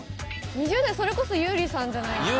２０代それこそ優里さんじゃないですかね？